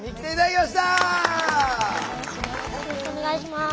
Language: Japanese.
よろしくお願いします。